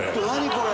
これ！